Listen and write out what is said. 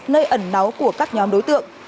nơi ẩn náu của các nhóm đối tượng